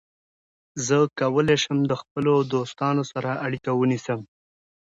زه کولای شم د خپلو دوستانو سره اړیکه ونیسم.